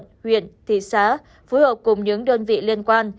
huyện thị xá phối hợp cùng những đơn vị liên quan